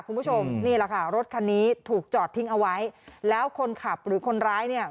คุณผู้ชมนี่แหละค่ะรถคันนี้ถูกจอดทิ้งเอาไว้แล้วคนขับหรือคนร้ายเนี่ย